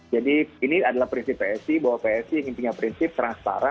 jadi ini adalah prinsip psi bahwa psi ingin punya prinsip transparan